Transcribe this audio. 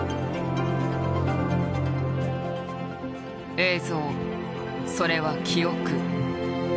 映像それは記憶。